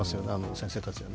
先生たちは。